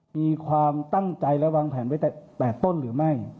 มีความตั้งใจและวางแผนไว้แต่ต้นหรือไม่